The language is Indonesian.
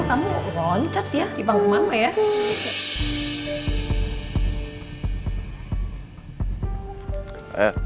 kamu loncat ya di panggung mama ya